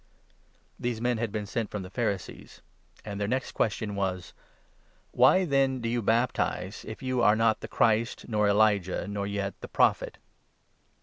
These men had been sent from the Pharisees ; and their next 24, question was : "Why then do you baptize, if you are not the Christ, nor Elijah, nor yet ' the Prophet